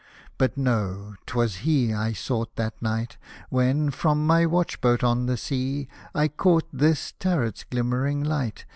But know — :'twas he I sought that night, When, from my watch boat on the sea, I caught this turret's glimmering light.